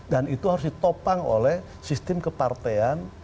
dan itu harus ditopang oleh sistem kepartean